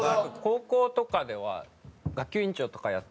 高校とかでは学級委員長とかやってて。